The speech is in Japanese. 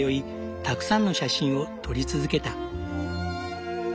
たくさんの写真を撮り続けた。